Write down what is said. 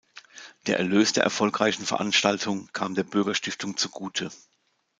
Der Erlös der erfolgreichen Veranstaltung kam der Bürgerstiftung zugute.